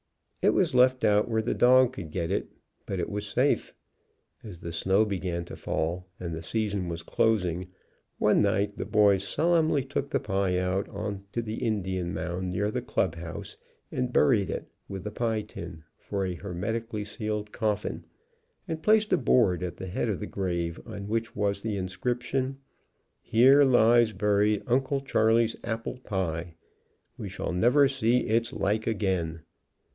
It was left out where the dog could get it, but it was safe. As the snow began to fall and the season was closing, one night the boys solemnly took the pie out on the In dian mound near the clubhouse and buried it with the pie tin for a hermetically sealed coffin, and placed a board at the head of the grave on which was the inscription: "Here lies buried Uncle Charley's apple pie. We shall never see its like again."